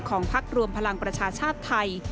พักรวมพลังประชาชาติไทย